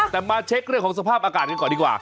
แต่มาเช็คเรื่องของสภาพอากาศกันก่อนดีกว่า